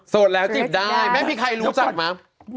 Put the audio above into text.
โสดแล้วจีบได้แม่งพี่ไข่รู้จักมั้ย